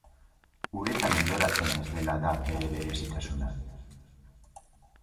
Uretan hondoratzen ez dela da bere berezitasuna.